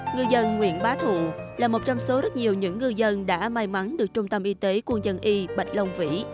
ngư dân nguyễn bá thụ là một trong số rất nhiều những ngư dân đã may mắn được trung tâm y tế quân dân y bạch long vĩ